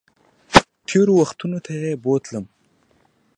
تېرو وختونو ته یې بوتلم